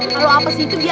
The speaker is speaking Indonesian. kalo hapus itu dia